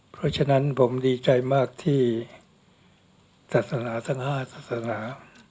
เพราะฉะนั้นผมดีใจมากที่ศาสนาทั้ง๕ศาสนา